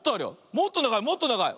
もっとながいもっとながい。